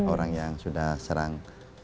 orang yang sudah serang